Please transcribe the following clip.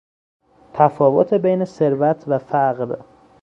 تفاوت بین ثروت و فقر